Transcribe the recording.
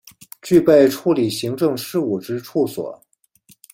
具备处理行政事务之处所